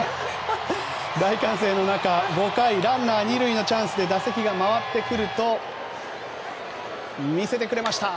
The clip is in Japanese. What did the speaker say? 大歓声の中、５回ランナー２塁のチャンスで打席が回ってくると見せてくれました。